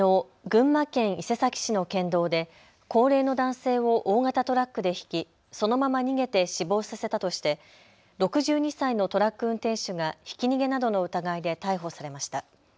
群馬県伊勢崎市の県道で高齢の男性を大型トラックでひき、そのまま逃げて死亡させたとして６２歳のトラック運転手がひき逃げなどの疑いで逮捕されました。